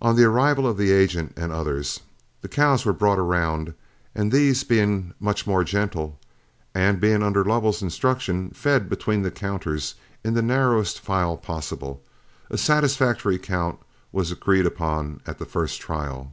On the arrival of the agent and others, the cows were brought around; and these being much more gentle, and being under Lovell's instruction fed between the counters in the narrowest file possible, a satisfactory count was agreed upon at the first trial.